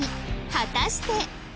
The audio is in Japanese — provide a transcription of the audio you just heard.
果たして